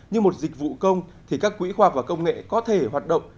như một dịch vụ công thì các quỹ khoa học và công nghệ có thể hoạt động